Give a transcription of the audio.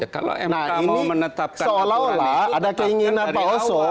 kalau mk mau menetapkan kekeluarannya menetapkan dari awal